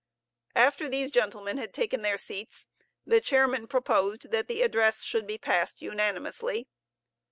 After these gentlemen had taken their seats, the Chairman proposed that the address should be passed unanimously.